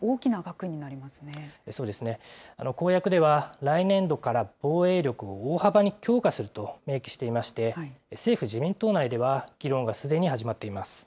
公約では来年度から防衛力を大幅に強化すると明記していまして、政府・自民党内では、議論がすでに始まっています。